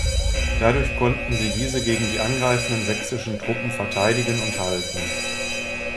Dadurch konnten sie diese gegen die angreifenden sächsischen Truppen verteidigen und halten.